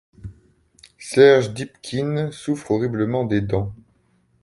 Serge Dybkine souffre horriblement des dents.